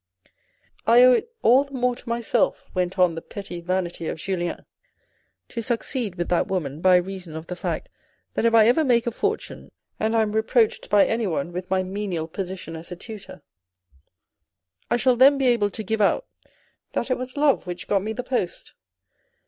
" I owe it all the more to myself," went on the petty vanity of Julien, " to succeed with that woman, by reason of the fact that if I ever make a fortune, and I am reproached by anyone with my menial position as a tutor, I shall then be able to give out that it was love which got me the post."